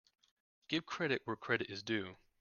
Give credit where credit is due.